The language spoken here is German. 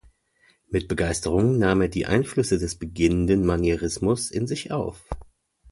Mit Begeisterung nahm er die Einflüsse des beginnenden Manierismus in sich auf.